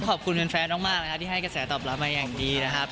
ขอบคุณแฟนมากนะครับที่ให้กระแสตอบรับมาอย่างดีนะครับ